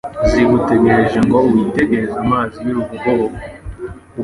zigutegereje ngo witegereze amazi y'urubogobogo